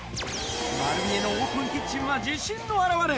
丸見えのオープンキッチンは自信の表れ。